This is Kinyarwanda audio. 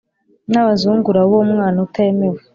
n abazungura b uwo mwana utemewe